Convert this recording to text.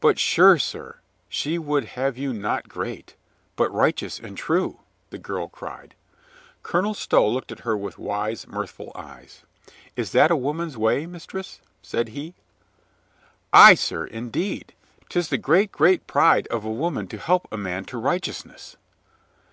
"But sure, sir, she would have you not great, but righteous and true," the girl cried. Colonel Stow looked at her with wise, mirthful eyes. "Is that a woman's way, mistress?" said he. "Ay, sir, indeed. 'Tis the great, great pride of a woman to help a man to righteousness."